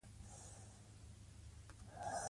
دوی د یووالي او سولې د راوستلو لپاره کار کوي.